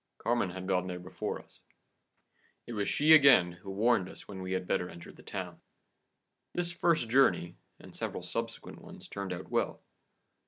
Carmen had gone there before us. It was she again who warned us when we had better enter the town. This first journey, and several subsequent ones, turned out well.